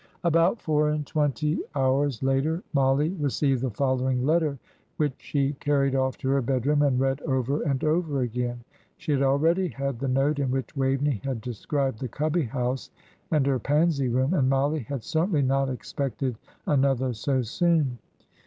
About four and twenty hours later Mollie received the following letter, which she carried off to her bedroom and read over and over again. She had already had the note in which Waveney had described the Cubby house and her Pansy Room, and Mollie had certainly not expected another so soon.